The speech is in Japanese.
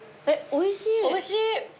おいしい。